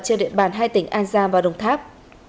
trên địa bàn hai tỉnh an giang và đồng tháp